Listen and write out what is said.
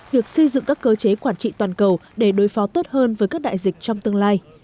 việc xây dựng các cơ chế quản trị toàn cầu để đối phó tốt hơn với các đại dịch trong tương lai